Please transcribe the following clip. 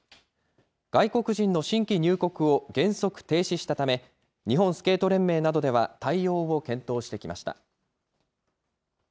外国人の新規入国を原則停止したため、日本スケート連盟などでは対応を検討してきました。